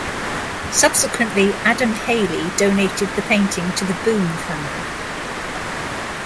Subsequently, Adam Hayley donated the painting to the Boon family.